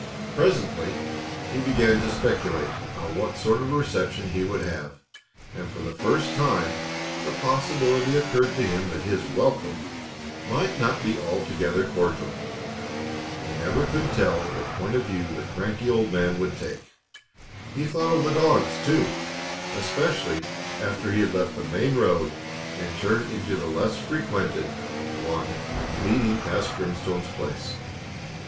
Presently he began to speculate on what sort of reception he would have, and for the first time the possibility occurred to him that his welcome might not be altogether cordial. You never could tell what point of view the cranky old man would take. He thought of the dogs, too, especially after he had left the main road and turned into the less frequented one leading past Grimstone's place.